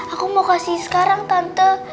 aku mau kasih sekarang tante